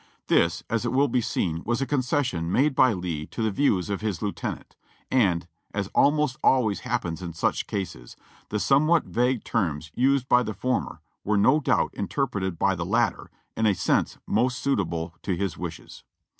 This, as it will be seen, was a concession made by Lee to the views of his lieutenant, and, as almost always happens in such cases, the somewhat vague terms used by the former were no doubt interpreted by the latter in a sense most suitable to his wishes.